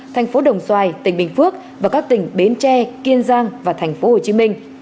thành phố đồng xoài tỉnh bình phước và các tỉnh bến tre kiên giang và thành phố hồ chí minh